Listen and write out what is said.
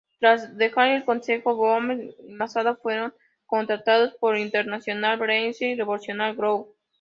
Tras dejar el consejo, Nosawa y Masada fueron contratados por International Wrestling Revolution Group.